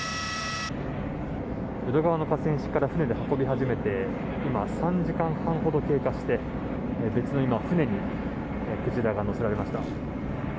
淀川の河川敷から船で運び始めて今、３時間半ほど経過して別の船にクジラが載せられました。